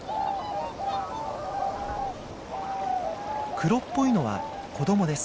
黒っぽいのは子供です。